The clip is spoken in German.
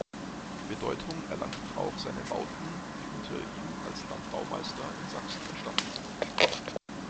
Bedeutung erlangten auch seine Bauten, die unter ihm als Landbaumeister in Sachsen entstanden sind.